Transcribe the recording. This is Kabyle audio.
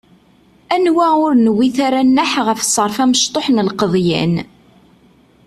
Anwa ur newwit ara nneḥ ɣef ṣṣerf amecṭuḥ n lqeḍyan!